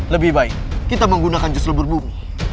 lebih baik kita menggunakan jus lebur bumi